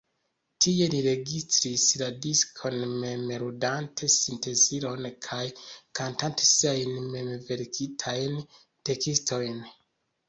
Tie li registris la diskon, mem ludante sintezilon kaj kantante siajn memverkitajn tekstojn.